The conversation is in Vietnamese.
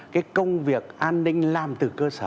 cái công việc an ninh làm từ cơ sở